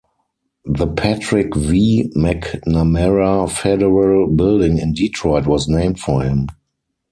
The Patrick V. McNamara Federal Building in Detroit was named for him.